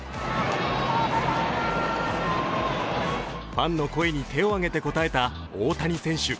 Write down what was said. ファンの声に手を挙げて応えた大谷選手。